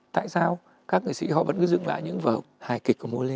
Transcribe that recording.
tại sao các nghệ sĩ họ vẫn cứ dựng lại những vở hài kịch của môn lê